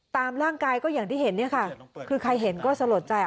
ตามร่างกายก็อย่างที่เห็นเนี่ยค่ะคือใครเห็นก็สลดใจ